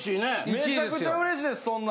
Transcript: めちゃくちゃうれしいですそんな。